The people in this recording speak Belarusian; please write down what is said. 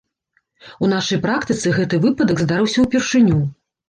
У нашай практыцы гэты выпадак здарыўся ўпершыню.